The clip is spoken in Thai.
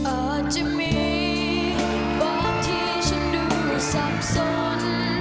อาจจะมีบางที่ฉันดูสับสน